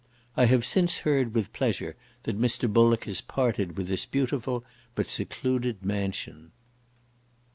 I have since heard with pleasure that Mr. Bullock has parted with this beautiful, but secluded mansion.